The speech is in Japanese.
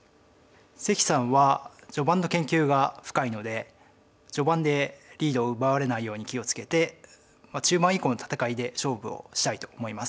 関さんは序盤の研究が深いので序盤でリードを奪われないように気を付けて中盤以降の戦いで勝負をしたいと思います。